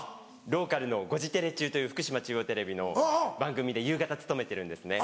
ローカルの『ゴジてれＣｈｕ！』という福島中央テレビの番組で夕方務めてるんですね。